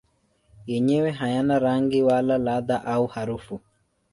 Yenyewe hayana rangi wala ladha au harufu.